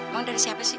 emang dari siapa sih